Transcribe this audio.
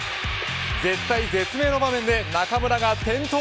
絶体絶命の場面で中村が転倒。